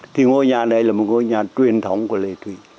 thì ngôi nhà này là một ngôi nhà truyền thống của lệ thủy